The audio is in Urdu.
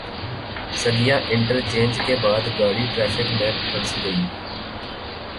سگیاں انٹرچینج کے بعد گاڑی ٹریفک میں پھنس گئی۔